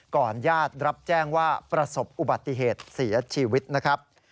ญาติรับแจ้งว่าประสบอุบัติเหตุเสียชีวิตนะครับ